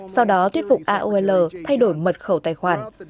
sau đó thuyết phục ao thay đổi mật khẩu tài khoản